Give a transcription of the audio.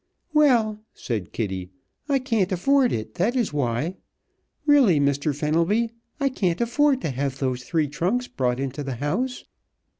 "Well," said Kitty, "I can't afford it, that is why. Really, Mr. Fenelby, I can't afford to have those three trunks brought into the house."